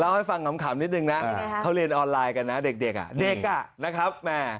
เราให้ฟังขำนิดนึงน่ะว่าเค้าเรียนออนไลน์กันนะเด็กอ่ะเด็กอ่ะ